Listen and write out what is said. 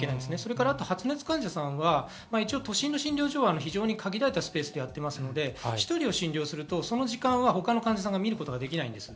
また発熱患者さんは都心の診療所は限られたスペースでやっていますので１人を診療すると、その時間、他の患者さんを診ることができません。